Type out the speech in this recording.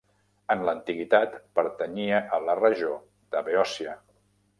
En l'antiguitat pertanyia a la regió de Beòcia.